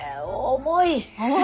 重い？